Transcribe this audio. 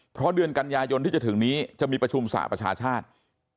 เพราะเดือนกันยายนที่จะถึงนี้จะมีประชุมสหประชาชาติ